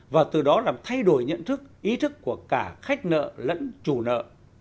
và từ đó làm thay đổi nhận thức ý thức của cả khách nợ lẫn chủ nợ